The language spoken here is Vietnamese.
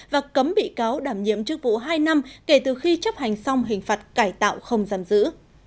và cấm bị cáo đảm nhiệm chức vụ hai năm kể từ khi chấp hành xong hình phạt cải tạo không giam giữ